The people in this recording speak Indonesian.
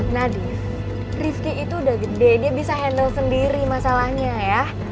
nadie rifki itu udah gede dia bisa handle sendiri masalahnya ya